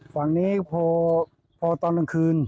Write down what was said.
ฝั่งนี้พอตอนกลางคืน